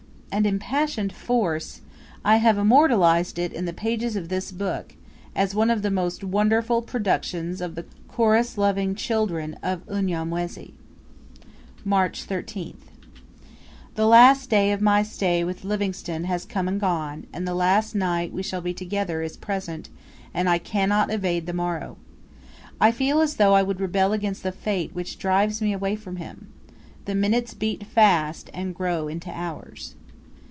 and impassioned force(?), I have immortalised it in the pages of this book, as one of the most wonderful productions of the chorus loving children of Unyamwezi. March 13th. The last day of my stay with Livingstone has come and gone, and the last night we shall be together is present, and I cannot evade the morrow! I feel as though I would rebel against the fate which drives me away from him. The minutes beat fast, and grow into hours.